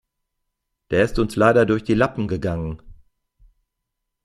Der ist uns leider durch die Lappen gegangen.